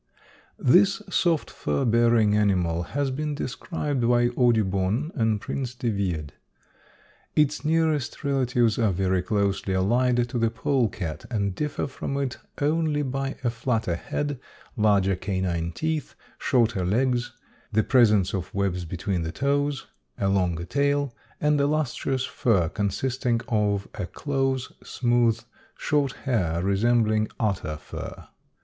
_) This soft fur bearing animal has been described by Audubon and Prince De Wied. Its nearest relatives are very closely allied to the polecat and differ from it only by a flatter head, larger canine teeth, shorter legs, the presence of webs between the toes, a longer tail, and a lustrous fur, consisting of a close, smooth, short hair, resembling otter fur.